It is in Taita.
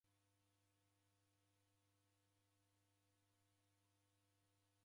Toe omoni waghora loli.